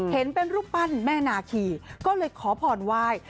เห็นเป็นรูปปั้นแม่นาขี่ก็เลยขอผ่อนวาย